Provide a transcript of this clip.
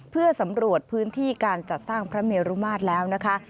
เพื่อสำรวจพื้นที่การจัดสร้างพระเมรุมาตรแล้วนะคะ